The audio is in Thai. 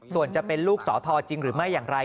ส่วนจะเป็นลูกสอทอจริงหรือไม่อย่างไร